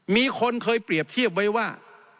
มีคนเคยเปรียบเทียบไว้ว่า